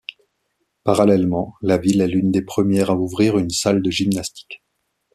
Parallèlement, la ville est l’une des premières à ouvrir une salle de gymnastique.